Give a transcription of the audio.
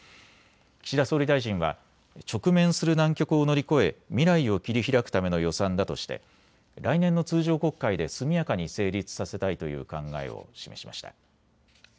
岸田総理大臣は直面する難局を乗り越え未来を切りひらくための予算だとして来年の通常国会で速やかに成立させたいという考えを示しました。